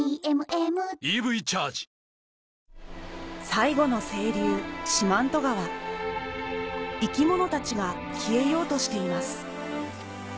最後の清流四万十川生き物たちが消えようとしています